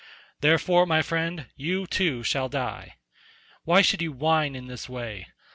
Therefore, my friend, you too shall die. Why should you whine in this way?